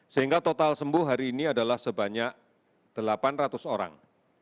sehingga total sembuh hari ini adalah sebanyak delapan ratus orang